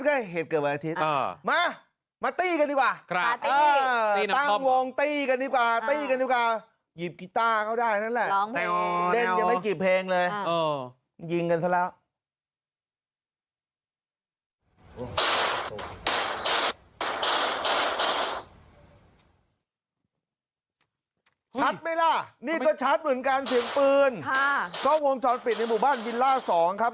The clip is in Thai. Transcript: ก็ชัดเหมือนกันเสียงปืนค่ะกล้องวงช้อนปิดในหมู่บ้านวิลล่าสองครับ